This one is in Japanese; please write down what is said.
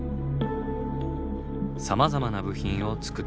さまざまな部品を作っています。